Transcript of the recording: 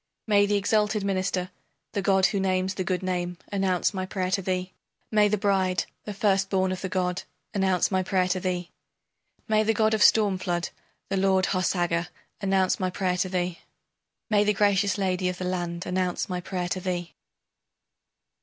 May the exalted minister, the god who names the good name, announce my prayer to thee! May the bride, the first born of the god, announce my prayer to thee! May the god of storm flood, the lord Harsaga, announce my prayer to thee! May the gracious lady of the land announce my prayer to thee!